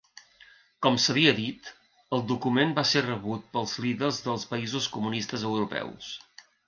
Com s'havia dit, el document va ser rebut pels líders dels països comunistes europeus.